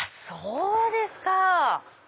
そうですか！